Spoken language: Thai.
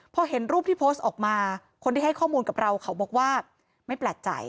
พอเห็นรูปที่โพสต์ออกมาคนที่ให้ข้อมูลกับเราเขาบอกว่าไม่แปลกใจ